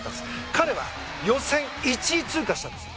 彼は予選１位通過したんですよ。